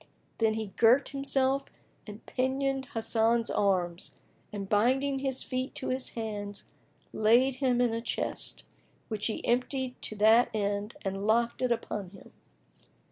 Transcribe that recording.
Then he girt himself and pinioned Hasan's arms and binding his feet to his hands laid him in a chest, which he emptied to that end and locked it upon him.